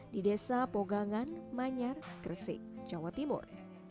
di desa pogangan manyar gresik jawa timur